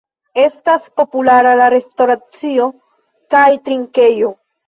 Estas populara la restoracio kaj drinkejo.